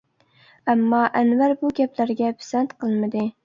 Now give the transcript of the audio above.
ئەمما، ئەنۋەر بۇ گەپلەرگە پىسەنت قىلمىدى.